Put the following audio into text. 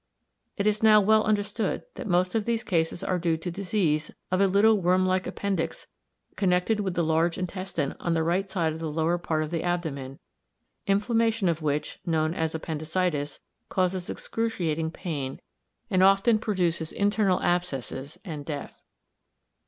It is now well understood that most of these cases are due to disease of a little worm like appendix connected with the large intestine on the right side of the lower part of the abdomen, inflammation of which, known as appendicitis, causes excruciating pain, and often produces internal abscesses and death.